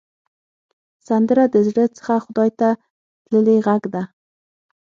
سندره د زړه څخه خدای ته تللې غږ ده